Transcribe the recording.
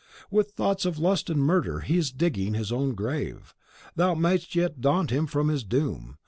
With thoughts of lust and murder, he is digging his own grave; thou mayest yet daunt him from his doom.